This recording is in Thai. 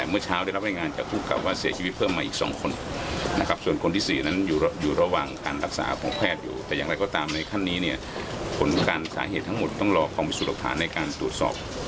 กำลังเริ่มดังเข้ามาเพื่อตรวจสอบ